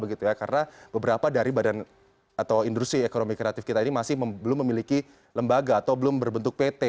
karena beberapa dari badan atau industri ekonomi kreatif kita ini masih belum memiliki lembaga atau belum berbentuk pt